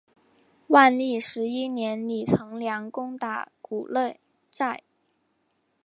万历十一年李成梁攻打古勒寨。